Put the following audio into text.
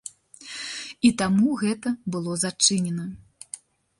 І таму гэта было зачынена.